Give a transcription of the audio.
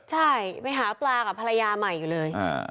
ใช่ไปหาปลากับภรรยาใหม่อยู่เลย